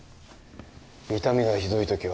痛みがひどい時は